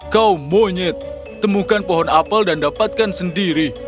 kau monyet temukan pohon apel dan dapatkan sendiri